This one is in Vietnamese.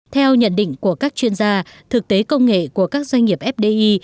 theo nhận định của các chuyên gia thực tế công nghệ của các doanh nghiệp fdi